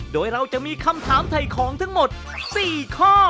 โดยเราจะมีคำถามถ่ายของทั้งหมด๔ข้อ